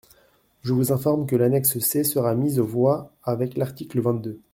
Je vous informe que l’annexe C sera mise aux voix avec l’article vingt-deux.